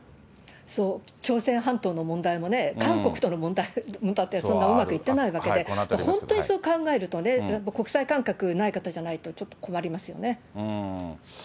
そう、朝鮮半島の問題もね、韓国との問題だって、そんなうまくいってないわけで、本当にそう考えるとね、国際感覚ない方じゃないと、ちょっと困りますよね。